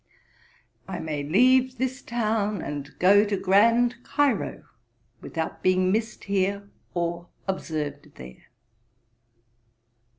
I may leave this town and go to Grand Cairo, without being missed here or observed there.'